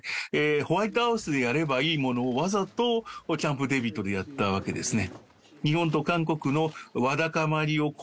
ホワイトハウスでやればいいものを、わざとキャンプ・デービッドでやったわけですね。